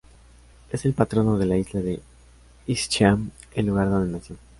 Es el patrono de la isla de Ischia, el lugar donde nació.